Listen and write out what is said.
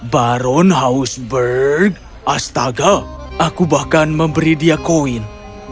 baron houseburg astaga aku bahkan memberi dia koin